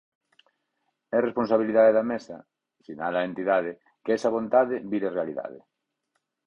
É responsabilidade da Mesa, sinala a entidade, que esa vontade vire realidade.